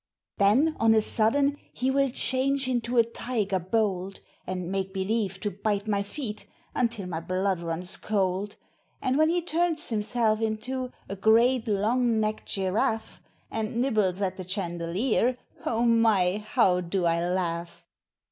Then on a sudden he will change into a tiger bold, And make believe to bite my feet until my blood runs cold, But when he turns himself into a great long necked giraffe, And nibbles at the chandelier, oh my, how I do laugh!